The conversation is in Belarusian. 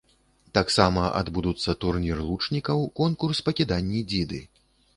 Таксама адбудуцца турнір лучнікаў, конкурс па кіданні дзіды.